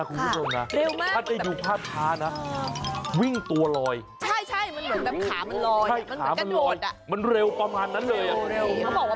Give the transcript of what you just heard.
คุณดูนี่ไอ้มีข้าวโอ้โฮ